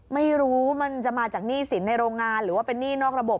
ไม่รู้มันจะมาจากหนี้สินในโรงงานหรือว่าเป็นหนี้นอกระบบ